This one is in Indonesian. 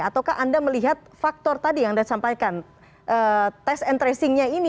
ataukah anda melihat faktor tadi yang anda sampaikan test and tracingnya ini